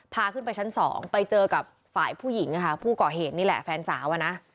พาขึ้นไปชั้นสองไปเจอกับฝ่ายผู้หญิงค่ะผู้ก่อเหตุนี่แหละแฟนสาวอะนะ